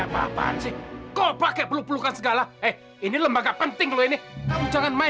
mau bantuin tali tani